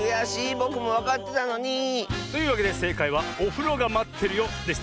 ぼくもわかってたのに！というわけでせいかいは「おふろがまってるよ」でした。